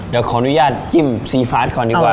เดี๋ยวขออนุญาตจิ้มซีฟาดก่อนดีกว่า